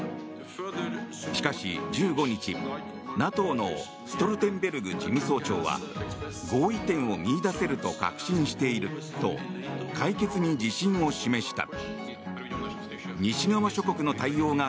しかし１５日、ＮＡＴＯのストルテンベルグ事務総長は合意点を見いだせると確信していると解決に自信を示した。